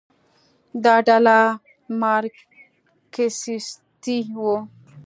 دا ډله مارکسیستي وه.